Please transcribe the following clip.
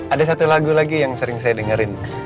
ada satu lagu lagi yang sering saya dengerin